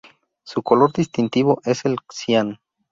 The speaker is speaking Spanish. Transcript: Su color distintivo es el cian.